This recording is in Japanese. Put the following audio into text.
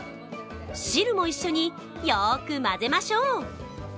汁も一緒によく混ぜましょう。